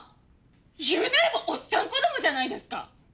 言うなればおっさん子供じゃないですか！